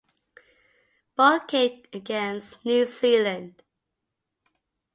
Both came against New Zealand.